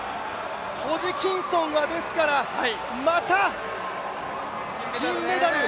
ホジキンソンはまた銀メダル。